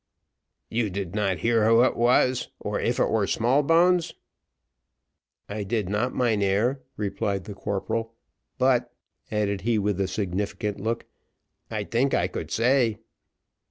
"You did not hear who it was, or if it were Smallbones?" "I did not, mynheer," replied the corporal; "but," added he with a significant look, "I tink I could say."